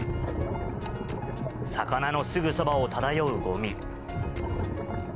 魚のすぐそばを漂うごみ。